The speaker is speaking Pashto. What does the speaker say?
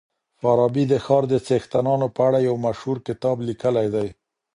فارابي د ښار د څښتنانو په اړه يو مشهور کتاب ليکلی دی.